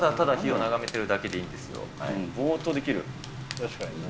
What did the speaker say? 確かにな。